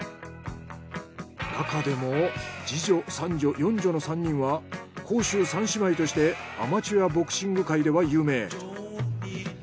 なかでも次女三女四女の３人は甲州３姉妹としてアマチュアボクシング界では有名。